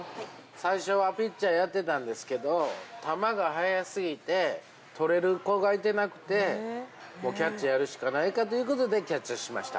最初はピッチャーやってたんですけど、球が速すぎて捕れる子がいてなくて、もうキャッチャーやるしかないかということで、キャッチャーをしました。